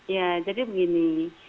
ya jadi begini